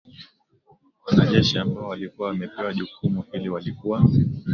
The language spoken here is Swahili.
Wanajeshi ambao walikuwa wamepewa jukumu hili walikuwa